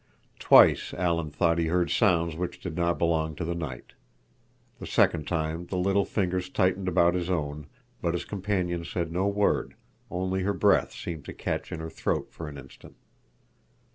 Twice Alan thought he heard sounds which did not belong to the night. The second time the little fingers tightened about his own, but his companion said no word, only her breath seemed to catch in her throat for an instant.